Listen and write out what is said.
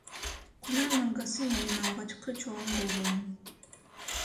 Кунай мангасы менин алгачкы чоң долбоорум.